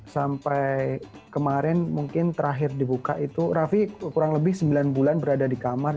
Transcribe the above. sampai kemarin mungkin terakhir dibuka itu raffi kurang lebih sembilan bulan berada di kamar